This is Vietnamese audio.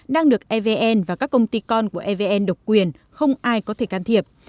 đang được evn và các công ty con của evn độc quyền không ai có thể can thiệp